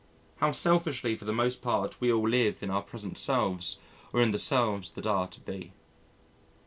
How selfishly for the most part we all live in our present selves or in the selves that are to be.